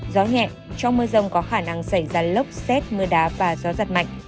gió nhẹ trong mưa rông có khả năng xảy ra lốc xét mưa đá và gió giật mạnh